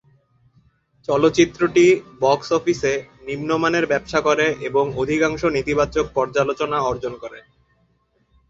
চলচ্চিত্রটি বক্স অফিসে নিম্নমানের ব্যবসা করে এবং অধিকাংশ নেতিবাচক পর্যালোচনা অর্জন করে।